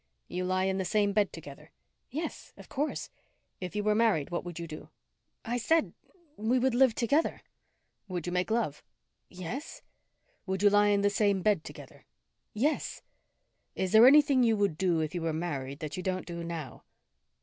"You lie in the same bed together?" "Yes. Of course." "If you were married, what would you do?" "I said we would live together." "Would you make love?" "Yes." "Would you lie in the same bed together?" "Yes." "Is there anything you would do if you were married that you don't do now?"